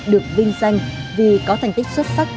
được vinh danh vì có thành tích xuất sắc